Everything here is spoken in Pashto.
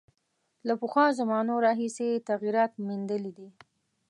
له پخوا زمانو راهیسې یې تغییرات میندلي دي.